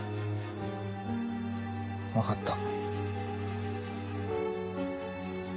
分かった。